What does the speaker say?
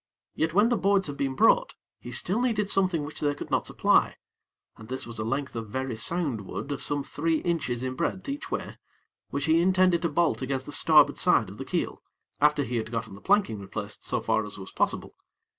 Yet when the boards had been brought, he needed still something which they could not supply, and this was a length of very sound wood of some three inches in breadth each way, which he intended to bolt against the starboard side of the keel, after he had gotten the planking replaced so far as was possible.